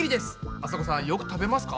あさこさんよく食べますか？